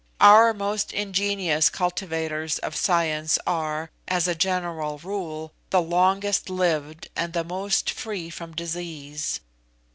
Our most ingenious cultivators of science are, as a general rule, the longest lived and the most free from disease.